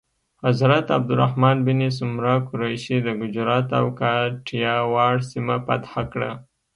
حضرت عبدالرحمن بن سمره قریشي د ګجرات او کاټیاواړ سیمه فتح کړه.